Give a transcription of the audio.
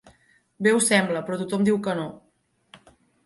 Bé ho sembla, però tothom diu que no.